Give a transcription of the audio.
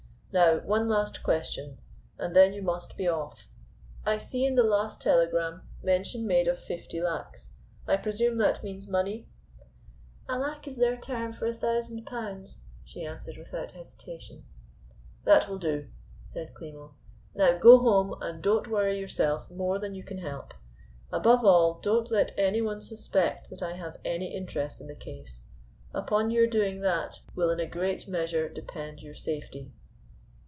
Now, one last question, and then you must be off. I see in the last telegram, mention made of fifty lacs; I presume that means money?" "A lac is their term for a thousand pounds," she answered without hesitation. "That will do," said Klimo. "Now go home and don't worry yourself more than you can help. Above all, don't let any one suspect that I have any interest in the case. Upon your doing that will in a great measure depend your safety."